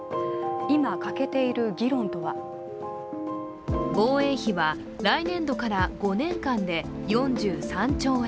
今、欠けている議論とは防衛費は、来年度から５年間で４３兆円。